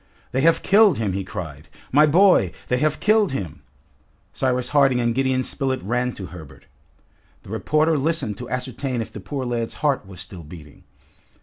"They have killed him!" he cried. "My boy! They have killed him!" Cyrus Harding and Gideon Spilett ran to Herbert. The reporter listened to ascertain if the poor lad's heart was still beating.